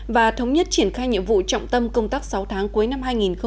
và thống nhất triển khai nhiệm vụ trọng tâm công tác sáu tháng cuối năm hai nghìn hai mươi